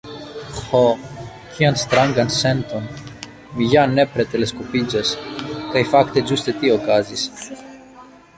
"Ho, kian strangan senton! mi ja nepre teleskopiĝas!" Kaj fakte ĝuste tio okazis.